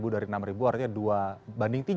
dari enam ribu artinya dua banding tiga